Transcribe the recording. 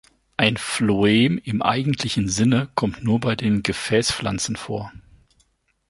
Ein Phloem im eigentlichen Sinne kommt nur bei den Gefäßpflanzen vor.